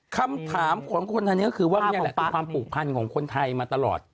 คำถามของคนไทยนี้ก็คือว่ามีความผูกพันธุ์ของคนไทยมาตลอด